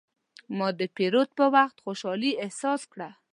ما د پیرود په وخت خوشحالي احساس کړه.